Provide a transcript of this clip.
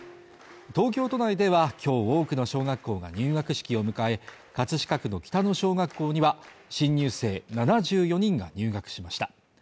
東京都内では今日多くの小学校が入学式を迎え葛飾区の北野小学校には新入生７４人が入学しました。